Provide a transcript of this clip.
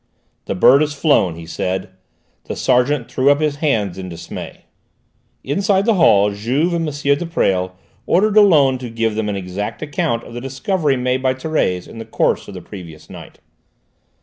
"The bird has flown," he said. The sergeant threw up his hands in dismay. Inside the hall Juve and M. de Presles ordered Dollon to give them an exact account of the discovery made by Thérèse in the course of the previous night.